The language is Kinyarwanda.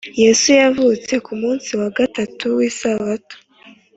yesu yazutse ku munsi wa gatatu w’isabato